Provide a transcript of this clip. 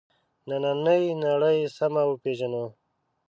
نننۍ نړۍ سمه وپېژنو.